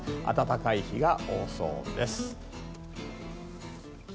暖かい日が多そうです。